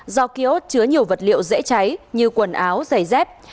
do kiosk chứa nhiều vật liệu dễ cháy như quần áo giày dép